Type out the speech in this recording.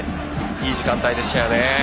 いい時間帯でしたね。